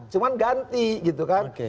cuma ganti gitu kan